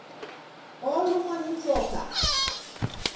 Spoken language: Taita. Olumwa ni choka